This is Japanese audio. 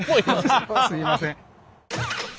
すいません。